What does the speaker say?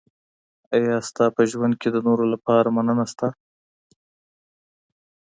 ایا ستا په ژوند کي د نورو لپاره مننه سته؟